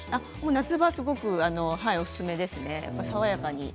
夏場にはすごくおすすめですね、爽やかに。